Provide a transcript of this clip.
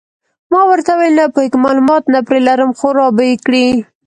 ما ورته وویل: نه پوهېږم، معلومات نه پرې لرم، خو را به یې کړي.